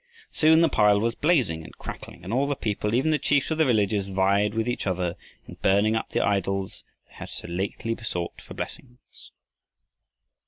Soon the pile was blazing and crackling, and all the people, even the chiefs of the villages, vied with each other in burning up the idols they had so lately besought for blessings.